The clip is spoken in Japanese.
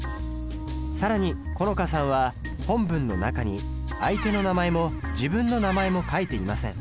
更に好花さんは本文の中に相手の名前も自分の名前も書いていません。